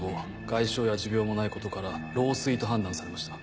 外傷や持病もないことから老衰と判断されました。